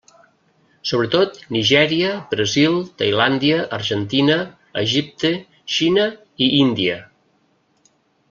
Sobretot Nigèria, Brasil, Tailàndia, Argentina, Egipte, Xina i Índia.